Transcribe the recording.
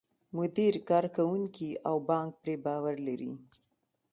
مدیر، کارکوونکي او بانک پرې باور لري.